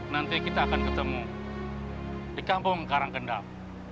nanti kita akan ketemu di kampung karangkendap